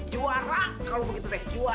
juara kalau begitu udah juara